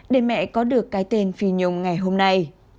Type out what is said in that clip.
để mẹ có được cái tên phi nhung ngày hôm nay